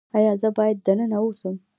ایا زه باید دننه اوسم؟